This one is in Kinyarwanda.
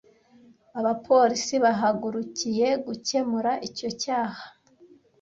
Abapolisi bahagurukiye gukemura icyo cyaha.